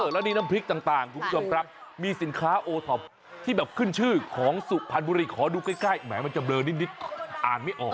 แล้วนี่น้ำพริกต่างคุณผู้ชมครับมีสินค้าโอท็อปที่แบบขึ้นชื่อของสุพรรณบุรีขอดูใกล้แหมมันจะเลอนิดอ่านไม่ออก